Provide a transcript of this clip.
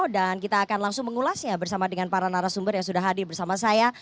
dan kita akan langsung mengulasnya bersama dengan para narasumber yang sudah hadir bersama saya